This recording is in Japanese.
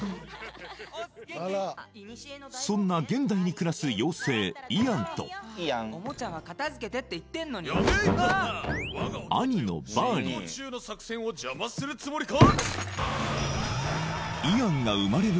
そんな現代に暮らす妖精イアンとおもちゃは片づけてって言ってんのに遂行中の作戦を邪魔するつもりか？